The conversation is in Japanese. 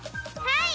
はい！